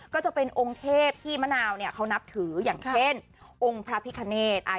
ก็จะเป็นองค์เทพที่มะนาวเนี่ยเขานับถืออย่างเช่นองค์พระพิคเนธ